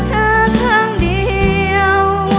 คนที่รักเธอครั้งเดียว